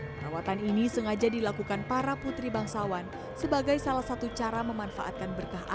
perawatan ini sengaja dilakukan para putri bangsawan sebagai salah satu cara memanfaatkan berkah